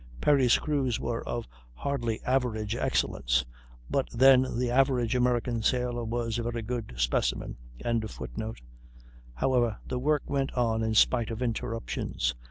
Perry's crews were of hardly average excellence, but then the average American sailor was a very good specimen.] However, the work went on in spite of interruptions.